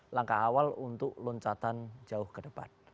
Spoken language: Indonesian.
langkah awal untuk loncatan jauh ke depan